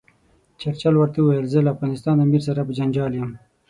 چرچل ورته وویل زه له افغانستان امیر سره په جنجال یم.